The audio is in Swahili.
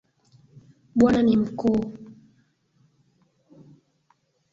Bwana ni mkuu